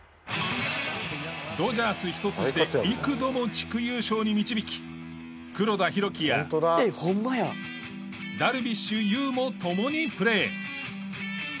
ドジャースひと筋で幾度も地区優勝に導き黒田博樹やダルビッシュ有もともにプレー。